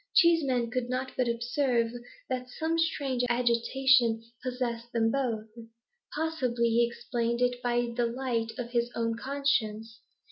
Cheeseman could not but observe that some strange agitation possessed them both. Possibly he explained it by the light of his own conscience.